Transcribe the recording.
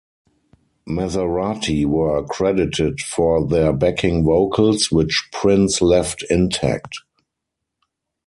Mazarati were credited for their backing vocals, which Prince left intact.